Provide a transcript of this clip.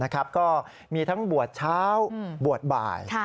ก็มีทั้งบวชเช้าบวชบ่าย